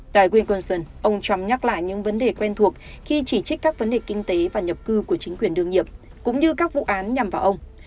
tại quyên côn sơn ông trump nhắc lại những vấn đề quen thuộc khi chỉ trích các vấn đề kinh tế và nhập cư của chính quyền đương nhiệm cũng như các vụ án nhằm vào ông